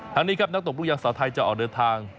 ทางนี้ครับนักตบลูกยางสาวไทยจะออกเดินทาง